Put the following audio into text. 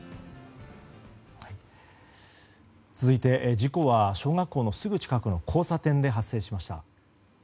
続いて、事故は小学校のすぐ近くの交差点で発生しました。